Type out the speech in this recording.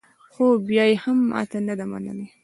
خو بیا یې هم ماته نه ده منلې